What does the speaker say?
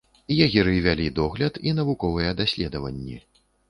Егеры вялі догляд і навуковыя даследаванні.